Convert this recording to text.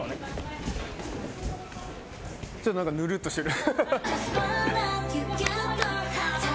ちょっと何かぬるっとしてる。